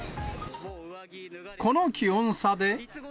この気温差で。